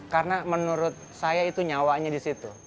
karena menurut saya itu nyawanya di situ